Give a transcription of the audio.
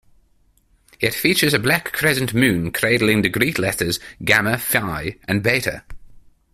It features a black crescent moon cradling the Greek letters, Gamma, Phi and Beta.